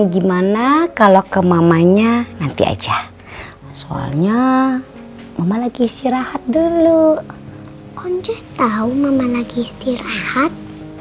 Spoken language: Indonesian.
gimana kalau ke mamanya nanti aja soalnya mama lagi istirahat dulu oncus tahu mama lagi istirahat